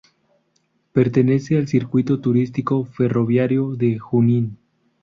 Pertenece al Circuito Turístico Ferroviario de Junín.